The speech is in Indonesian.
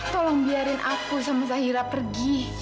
tolong biarin aku sama zahira pergi